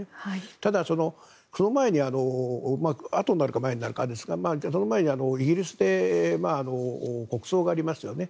ただ、そのあとになるか前になるかですがイギリスで国葬がありますよね。